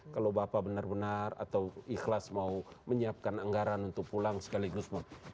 kalau bapak benar benar atau ikhlas mau menyiapkan anggaran untuk pulang sekaligus